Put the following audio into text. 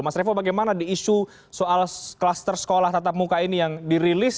mas revo bagaimana di isu soal kluster sekolah tatap muka ini yang dirilis